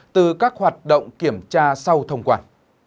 từ các hoạt động kiểm tra sau thông quan